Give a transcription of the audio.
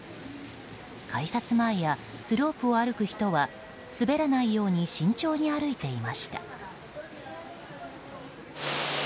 改札前や、スロープを歩く人は滑らないように慎重に歩いていました。